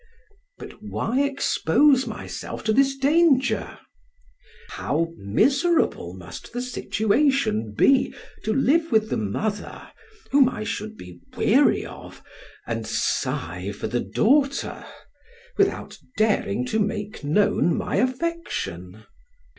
But why expose myself to this danger? How miserable must the situation be to live with the mother, whom I should be weary of, and sigh for the daughter, without daring to make known my affection!